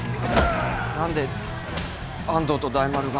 何で安藤と大丸が。